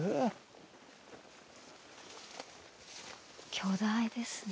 巨大ですね。